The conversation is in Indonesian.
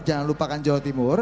jangan lupakan jawa timur